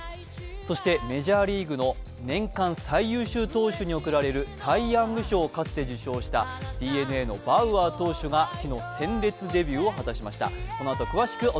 そしてメジャーリーグの年間最優秀投手に贈られるサイ・ヤング賞を受賞したＤｅＮＡのバウアー投手が昨日、鮮烈デビューをしました。